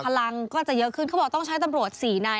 พลังก็จะเยอะขึ้นเขาบอกต้องใช้ตำรวจสี่นาย